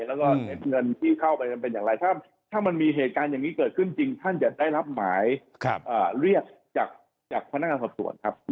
แล้วก็เงินที่เข้าไปมันเป็นอย่างไรถ้ามันมีเหตุการณ์อย่างนี้เกิดขึ้นจริงท่านจะได้รับหมายเรียกจากพนักงานสอบสวนครับ